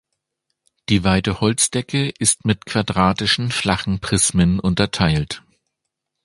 Die weite Holzdecke ist mit quadratischen flachen Prismen unterteilt.